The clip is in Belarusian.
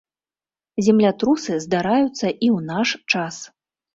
Землятрусы здараюцца і ў наш час.